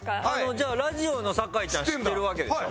じゃあラジオの酒井ちゃん知ってるわけでしょ？